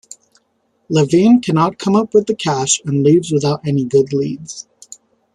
Levene cannot come up with the cash and leaves without any good leads.